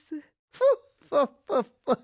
フォッフォッフォッフォッ。